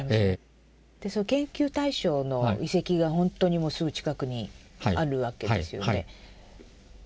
その研究対象の遺跡がほんとにもうすぐ近くにあるわけですよね。